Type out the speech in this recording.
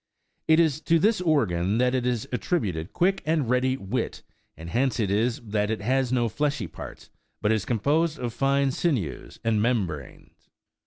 It is to this organ that is attributed quick and ready wit, and hence it is that it has no fleshy parts, but is composed of tine sinews and membranes.